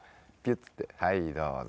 はいどうぞ。